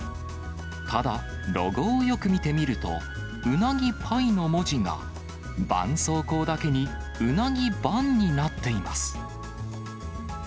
ただ、ロゴをよく見てみると、うなぎパイの文字が、ばんそうこうだけに、うなぎバンになっています。